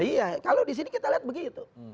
iya kalau di sini kita lihat begitu